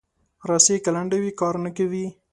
رسۍ که لنډه وي، کار نه کوي.